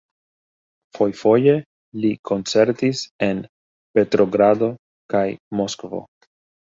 Fojfoje li koncertis en Petrogrado kaj Moskvo.